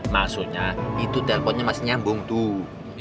maksudnya itu telponnya masih nyambung tuh